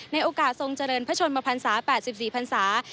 ในโอกาสทรงเจริญพระชนมภัณฑ์ศาสตร์๘๔ภัณฑ์ศาสตร์